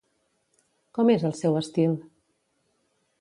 Com és el seu estil?